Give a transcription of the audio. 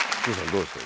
どうですか？